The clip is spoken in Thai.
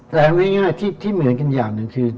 แต่เอาง่ายที่เหมือนกันอย่างหนึ่งคือ